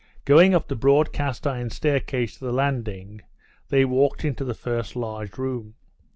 Going up the broad cast iron staircase to the landing, they walked into the first large room.